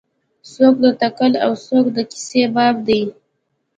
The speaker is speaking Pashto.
څوک د تکل او څوک د کیسې بابا دی.